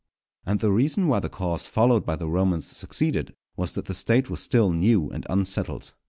And the reason why the course followed by the Romans succeeded, was that the State was still new and unsettled.